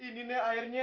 ini nih airnya